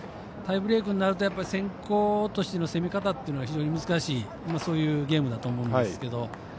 タイブレークになると先攻としての攻め方が難しいそういうゲームだと思うんですけど。